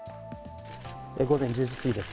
午前１０時すぎです。